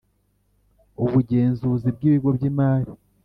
ubugenzuzi bw ibigo by imari